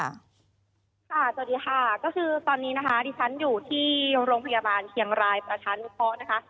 สวัสดีค่ะก็คือตอนนี้นะคะดิฉันอยู่ที่โรงพยาบาลเชียงรายประชานุเคราะห์นะคะ